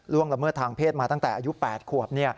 ละเมิดทางเพศมาตั้งแต่อายุ๘ขวบ